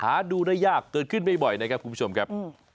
หาดูได้ยากเกิดขึ้นไม่บ่อยนะครับคุณผู้ชมครับ